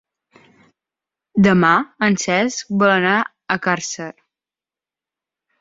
Demà en Cesc vol anar a Càrcer.